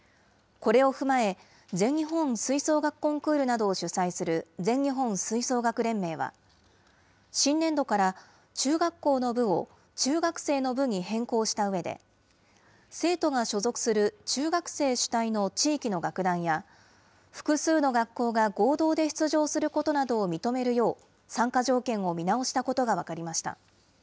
これを踏まえ、全日本吹奏楽コンクールなどを主催する全日本吹奏楽連盟は、新年度から、中学校の部を中学生の部に変更したうえで、生徒が所属する中学生主体の地域の楽団や、複数の学校が合同で出場することなどを認めるよう、参加条件を見直したことが分かりました。